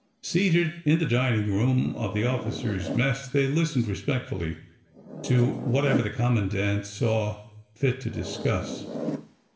Seated in the dining room of the officers' mess, they listened respectfully to whatever the commandant saw fit to discuss.